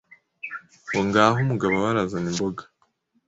ngo ngaha umugabo we arazana imboga.